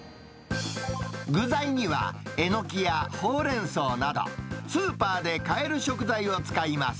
具材には、エノキやホウレンソウなど、スーパーで買える食材を使います。